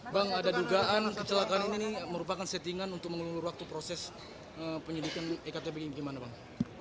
bang ada dugaan kecelakaan ini merupakan settingan untuk mengelulur waktu proses penyidikan ektp ini gimana bang